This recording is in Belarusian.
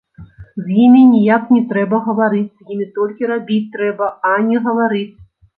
З імі ніяк не трэба гаварыць, з імі толькі рабіць трэба, а не гаварыць.